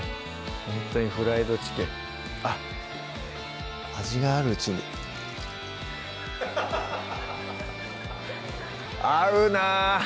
ほんとにフライドチキンあっ味があるうちに合うなぁ！